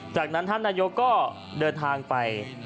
จากนั้นท่านนายกก็เดินทางไป